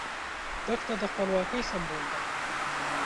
دښته د خپلواکۍ سمبول ده.